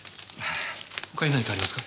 ほかに何かありますか？